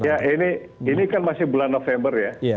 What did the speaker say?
ya ini kan masih bulan november ya